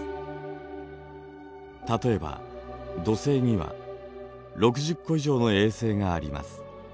例えば土星には６０個以上の衛星があります。